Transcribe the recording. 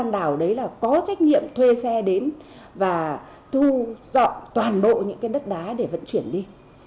nào đấy là có trách nhiệm thuê xe đến và thu dọn toàn bộ những cái đất đá để vận chuyển đi